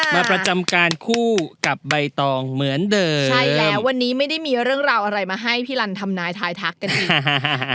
มาประจำการคู่กับใบตองเหมือนเดิมใช่แล้ววันนี้ไม่ได้มีเรื่องราวอะไรมาให้พี่ลันทำนายทายทักกันนะ